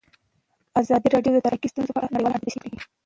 ازادي راډیو د ټرافیکي ستونزې په اړه نړیوالې اړیکې تشریح کړي.